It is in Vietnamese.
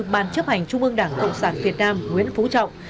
ban chấp hành trung ương đảng cộng sản việt nam nguyễn phú trọng